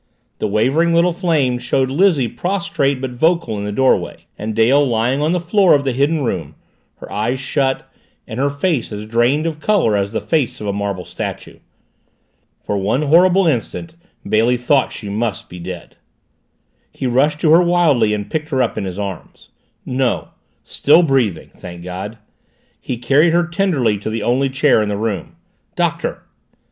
The wavering little flame showed Lizzie prostrate but vocal, in the doorway and Dale lying on the floor of the Hidden Room, her eyes shut, and her face as drained of color as the face of a marble statue. For one horrible instant Bailey thought she must be dead. He rushed to her wildly and picked her up in his arms. No still breathing thank God! He carried her tenderly to the only chair in the room. "Doctor!"